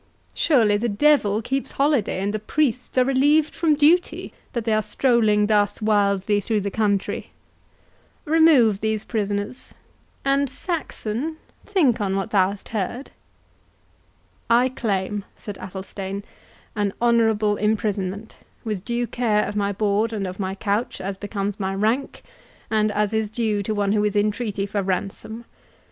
Surely the devil keeps holiday, and the priests are relieved from duty, that they are strolling thus wildly through the country. Remove these prisoners; and, Saxon, think on what thou hast heard." "I claim," said Athelstane, "an honourable imprisonment, with due care of my board and of my couch, as becomes my rank, and as is due to one who is in treaty for ransom.